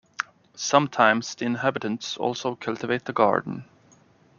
Sometimes the inhabitants also cultivate a garden.